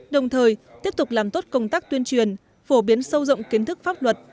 đồng thời tiếp tục làm tốt công tác tuyên truyền phổ biến sâu rộng kiến thức pháp luật